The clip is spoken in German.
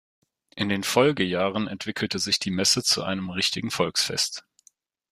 In den Folgejahren entwickelte sich die Messe zu einem richtigen Volksfest.